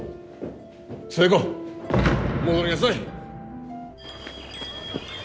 寿恵子戻りなさい！